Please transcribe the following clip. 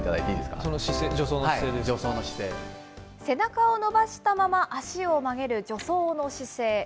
背中を伸ばしたまま足を曲げる助走の姿勢。